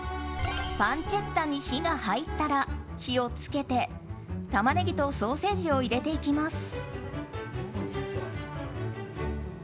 パンチェッタに火が入ったら火を付けてタマネギとソーセージを入れていきます。